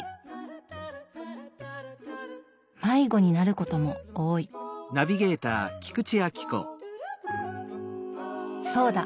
迷子になることも多いそうだ！